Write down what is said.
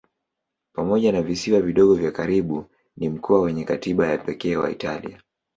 Pamoja na visiwa vidogo vya karibu ni mkoa wenye katiba ya pekee wa Italia.